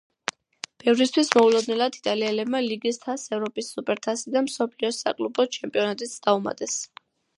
ბევრისთვის მოულოდნელად იტალიელებმა ლიგის თასს ევროპის სუპერთასი და მსოფლიოს საკლუბო ჩემპიონატიც დაუმატეს.